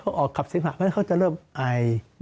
เข้าออกกับเสมหาเพราะฉะนั้นเขาก็จะเริ่มไอ